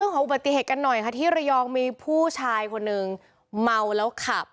ของอุบัติเหตุกันหน่อยค่ะที่ระยองมีผู้ชายคนหนึ่งเมาแล้วขับ